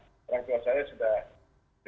orang tua saya sudah